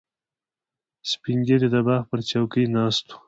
سپین ږیری د باغ پر چوکۍ ناست و.